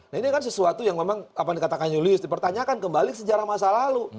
nah ini kan sesuatu yang memang apa yang dikatakan julius dipertanyakan kembali sejarah masa lalu